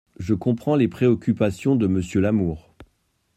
Je comprends les préoccupations de Monsieur Lamour.